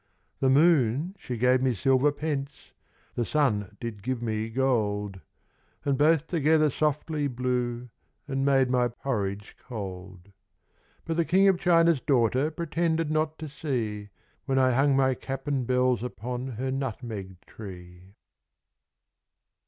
The moon, she gave me silver pence ; The sun did give me gold : And both together softly blew And made my porridge cold. But the King of China's daughter Pretended not to see, When I hung my cap and bells upon Her nutmeg tree.